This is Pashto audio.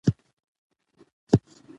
د کړکۍ شیشه پاکه نه وه.